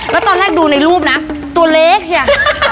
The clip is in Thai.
แล้วตอนแรกดูในรูปนะตัวเล็กเนี่ย